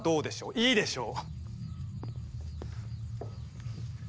いいでしょう。